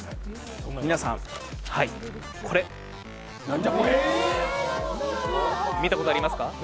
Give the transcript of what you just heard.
皆さん、これ、見たことありますか？